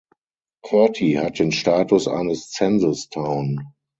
Curti hat den Status eines Census Town.